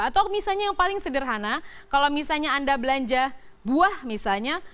atau misalnya yang paling sederhana kalau misalnya anda belanja buah misalnya